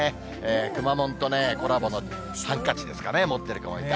くまモンとコラボのハンカチですかね、持っている子もいた。